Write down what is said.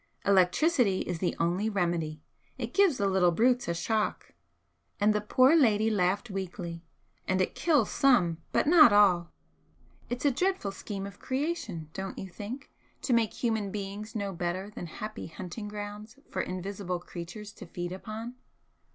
Electricity is the only remedy. It gives the little brutes a shock;" and the poor lady laughed weakly "and it kills some, but not all. It's a dreadful scheme of creation, don't you think, to make human beings no better than happy hunting grounds for invisible creatures to feed upon?"